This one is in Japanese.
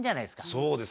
そうです。